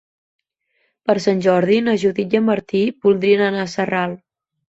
Per Sant Jordi na Judit i en Martí voldrien anar a Sarral.